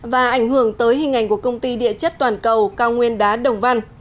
và ảnh hưởng tới hình ảnh của công ty địa chất toàn cầu cao nguyên đá đồng văn